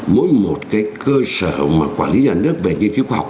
mỗi một cái cơ sở mà quản lý nhà nước về nghiên cứu khoa học